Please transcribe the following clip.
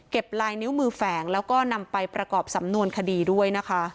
ลายนิ้วมือแฝงแล้วก็นำไปประกอบสำนวนคดีด้วยนะคะ